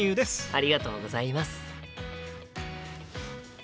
ありがとうございます。